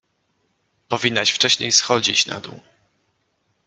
Powinnaś wcześniej schodzić na dół.